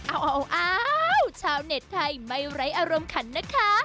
เอาชาวเน็ตไทยไม่ไร้อารมณ์ขันนะคะ